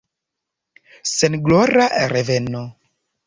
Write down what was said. Senglora reveno!